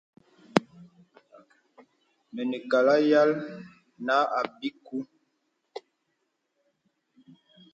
Mənə kàl àyə̀l nà ābi kū.